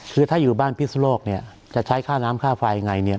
คือถ้าอยู่บ้านพิสุโลกเนี่ยจะใช้ค่าน้ำค่าไฟยังไงเนี่ย